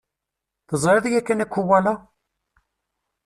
Teẓriḍ yakan akuwala?